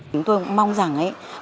chúng tôi mong rằng